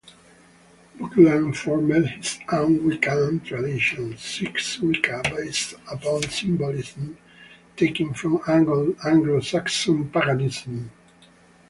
Buckland formed his own Wiccan tradition, Seax-Wica, based upon symbolism taken from Anglo-Saxon paganism.